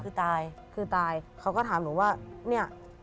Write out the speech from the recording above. คือตายคือตายเขาก็ถามหนูว่าเนี่ย